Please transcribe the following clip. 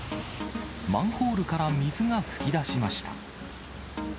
マンホールから水が噴き出しました。